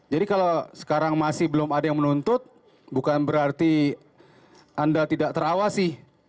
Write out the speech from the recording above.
jadi kalau sekarang masih belum ada yang menuntut bukan berarti anda tidak terawasi